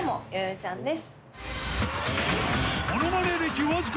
ちゃんです